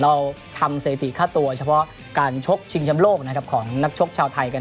เราทำสถิติค่าตัวเฉพาะการชกชิงชำโลกนะครับของนักชกชาวไทยกัน